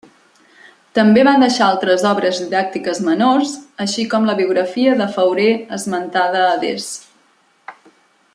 També va deixar altres obres didàctiques menors, així com la biografia de Fauré esmentada adés.